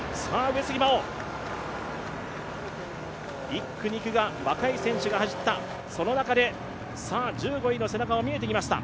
上杉真穂、１区、２区が若い選手が走ったその中で１５位の背中が見えてきました。